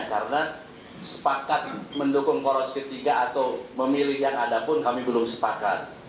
karena sepakat mendukung poros ketiga atau memilih yang ada pun kami belum sepakat